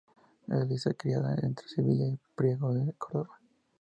Elisa criada entre Sevilla y Priego de Córdoba.